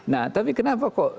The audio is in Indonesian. nah tapi kenapa kok